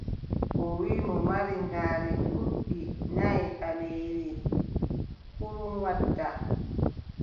O wiʼi mo mari ngaari duuɓi nayi ɓaleeri kurum wadda.